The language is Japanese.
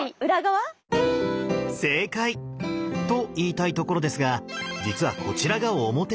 正解！と言いたいところですが実はこちらが表なんです。